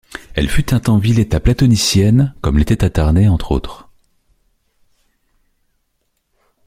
Elle fut un temps ville-état platonicienne, comme l'était Atarnée, entre autres.